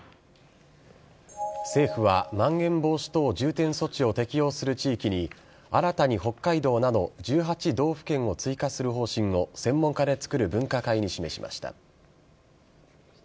政府はまん延防止等重点措置を適用する地域に、新たに北海道など、１８道府県を追加する方針を専門家で作る分科会に示しました。